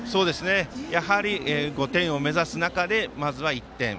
やはり５点を目指す中でまずは１点。